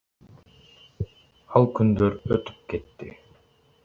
Ал күндөр өтүп кетти.